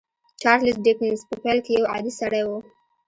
چارليس ډيکنز په پيل کې يو عادي سړی و.